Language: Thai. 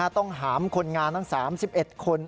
ต้องหามคนงานทั้ง๓๑คน